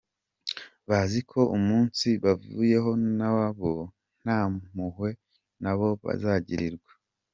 Bazi ko umunsi bavuyeho nabo nta mpuhwe nabo bazagirirwa.